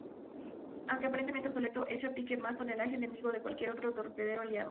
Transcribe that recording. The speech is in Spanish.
Aunque aparentemente obsoleto, echó a pique más tonelaje enemigo que cualquier otro torpedero aliado.